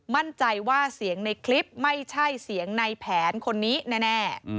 มั่นใจว่าเสียงในคลิปไม่ใช่เสียงในแผนคนนี้แน่